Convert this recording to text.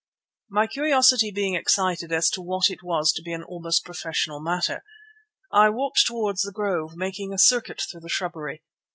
My curiosity being excited as to what was to be an almost professional matter, I walked towards the grove, making a circuit through a shrubbery.